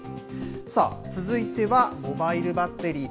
続いてはモバイルバッテリー。